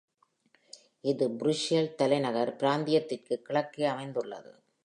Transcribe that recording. இது Brussels-தலைநகர் பிராந்தியத்திற்கு கிழக்கே அமைந்துள்ளது.